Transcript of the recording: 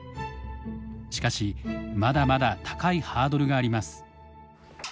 しかしまだまだ高いハードルがあります。